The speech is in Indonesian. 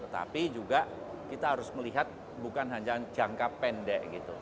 tetapi juga kita harus melihat bukan hanya jangka pendek gitu